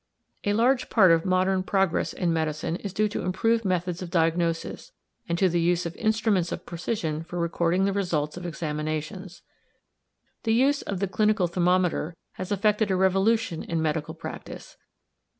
A large part of modern progress in medicine is due to improved methods of diagnosis, and to the use of instruments of precision for recording the results of examinations. The use of the clinical thermometer has effected a revolution in medical practice.